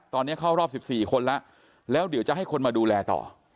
ตอนนี้เข้ารอบ๑๔คนแล้วแล้วเดี๋ยวจะให้คนมาดูแลต่อ